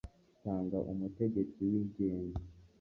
tanga umutegetsi wigenga